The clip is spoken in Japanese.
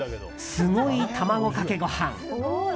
「すごい卵かけご飯」。